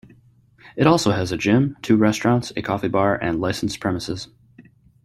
It also has a gym, two restaurants, a coffee bar, and licensed premises.